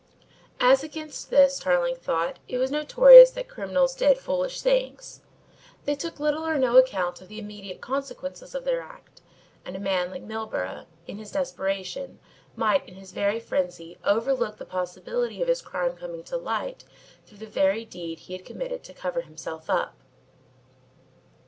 As against this, Tarling thought, it was notorious that criminals did foolish things. They took little or no account of the immediate consequences of their act, and a man like Milburgh, in his desperation, might in his very frenzy overlook the possibility of his crime coming to light through the very deed he had committed to cover himself up.